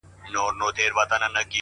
• نه خو سل کلنه ده او نه زرکلنۍ -